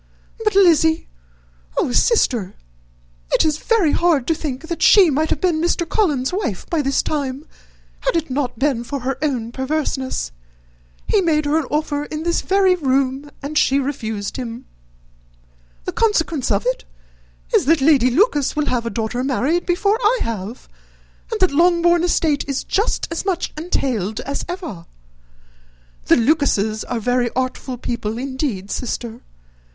But, Lizzy! Oh, sister! it is very hard to think that she might have been Mr. Collins's wife by this time, had not it been for her own perverseness. He made her an offer in this very room, and she refused him. The consequence of it is, that Lady Lucas will have a daughter married before I have, and that Longbourn estate is just as much entailed as ever. The Lucases are very artful people, indeed, sister.